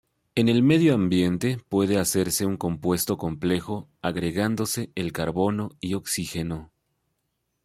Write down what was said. En el medio ambiente puede hacerse un compuesto complejo agregándose el carbono y oxígeno.